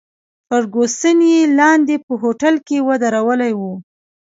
فرګوسن یې لاندې په هوټل کې ودرولې وه.